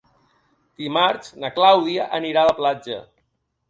Dimarts na Clàudia anirà a la platja.